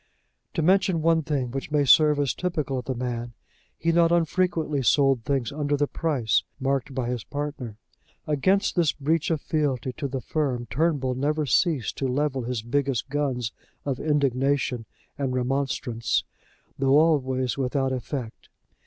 To mention one thing, which may serve as typical of the man: he not unfrequently sold things under the price marked by his partner. Against this breach of fealty to the firm Turnbull never ceased to level his biggest guns of indignation and remonstrance, though always without effect.